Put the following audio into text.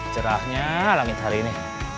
cerahnya langit hari ini